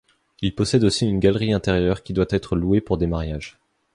Il possède aussi une galerie intérieure qui doit être louée pour des mariages.